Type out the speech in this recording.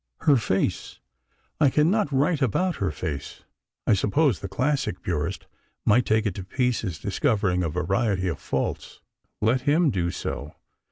Her face—I cannot write about her face—I suppose the classic purist might take it to pieces, discovering a variety of faults. Let him do so.